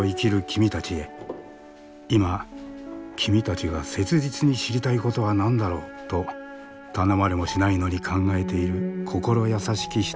今君たちが切実に知りたいことは何だろう？と頼まれもしないのに考えている心優しき人たちがいる。